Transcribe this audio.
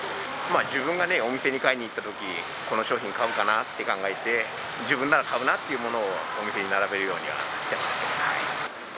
自分がお店に買いに行ったとき、この商品買うかなって考えて、自分なら買うなっていうものを、お店に並べるようにはしてますね。